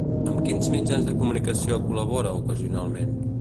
Amb quins mitjans de comunicació col·labora ocasionalment?